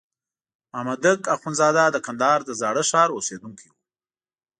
مامدک اخندزاده د کندهار د زاړه ښار اوسېدونکی وو.